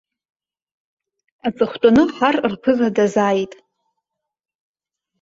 Аҵыхәтәаны ҳар рԥыза дазааит.